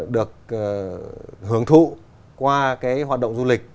được hưởng thụ qua cái hoạt động du lịch